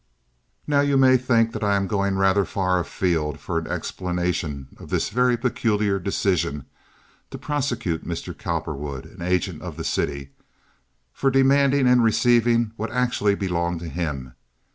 "Now you may think I am going rather far afield for an explanation of this very peculiar decision to prosecute Mr. Cowperwood, an agent of the city, for demanding and receiving what actually belonged to him.